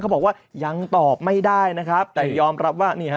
บอกว่ายังตอบไม่ได้นะครับแต่ยอมรับว่านี่ฮะ